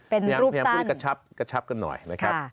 เป็นรูปสั้นพยายามพูดกระชับกันหน่อยนะครับ